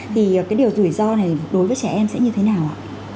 thì cái điều rủi ro này đối với trẻ em sẽ như thế nào ạ